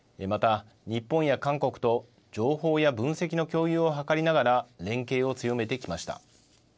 また、日本や韓国と情報や分析の共有を図りながら連携を強めてきました。